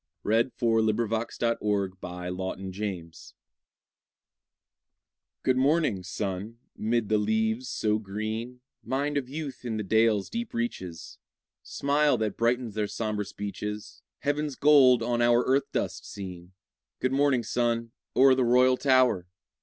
rumbled yonder. THE MAIDENS' SONG (FROM HALTE HULDA) Good morning, sun, 'mid the leaves so green Mind of youth in the dales' deep reaches, Smile that brightens their somber speeches, Heaven's gold on our earth dust seen! Good morning, sun, o'er the royal tower!